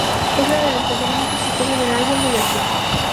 Es una de las canciones más exitosas del álbum y del grupo.